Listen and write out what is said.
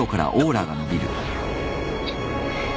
あっ！